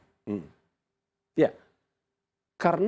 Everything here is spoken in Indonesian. karena sebelum kita menjadi asn kita sudah memiliki kekuatan kekuatan